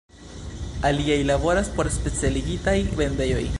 Aliaj laboras por specialigitaj vendejoj.